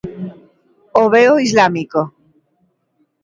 O veo islámico.